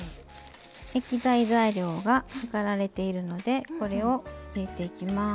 液体材料が量られているのでこれを入れていきます。